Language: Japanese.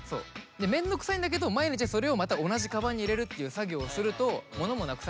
面倒くさいんだけど毎日それをまた同じカバンに入れるっていう作業をすると物もなくさないし。